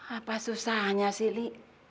apa susahnya sih li